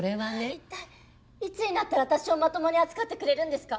いったいいつになったら私をまともに扱ってくれるんですか？